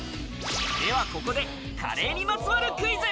では、ここでカレーにまつわるクイズ。